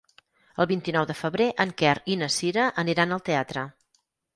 El vint-i-nou de febrer en Quer i na Cira aniran al teatre.